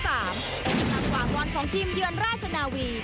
ตากขวาบอลของทีมเยือนราชนาวี